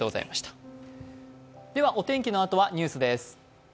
お天気のあとはニュースです。